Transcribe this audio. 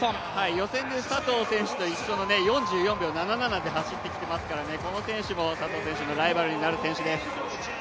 予選で佐藤選手と一緒の４４秒７７で走ってきていますから、この選手も佐藤選手のライバルになる選手です。